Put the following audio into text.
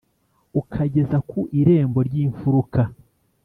Ukageza ku irembo ry’Imfuruka